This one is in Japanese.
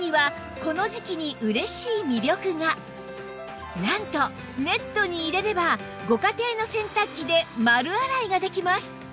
さらになんとネットに入れればご家庭の洗濯機で丸洗いができます